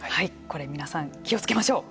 これ皆さん気を付けましょう。